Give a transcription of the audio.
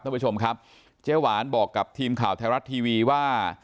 ท่านผู้ชมครับเจ๊หวานบอกกับทีมข่าวไทยรัฐทีวีว่า